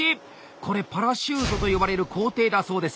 これ「パラシュート」と呼ばれる工程だそうです。